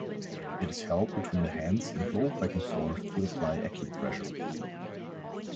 It is held between the hands and rolled back and forth to apply acupressure.